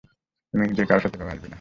তুই যে কারো সাথে এভাবে আসবি না।